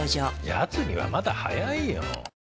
やつにはまだ早いよ。